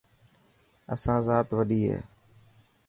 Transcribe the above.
اسان زات وڏي هي.